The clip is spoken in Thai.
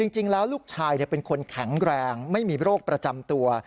จริงแล้วลูกชายเป็นคนแข็งแรงไม่มีโรคประจำตัว